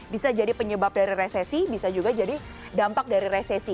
bisa jadi penyebab dari resesi bisa juga jadi dampak dari resesi